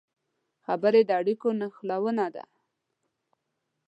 خبرې د اړیکو نښلونه ده